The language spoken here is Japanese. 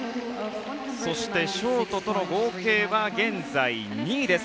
そして、ショートとの合計は現在２位です。